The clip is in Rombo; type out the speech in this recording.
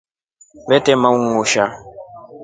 Vetema undusha.